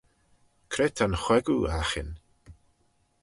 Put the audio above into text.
Cre ta'n wheiggoo aghin?